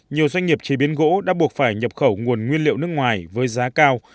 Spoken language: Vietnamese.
nhiều doanh nghiệp chế biến gỗ đã buộc phải nhập khẩu nguồn nguyên liệu nước ngoài với giá cao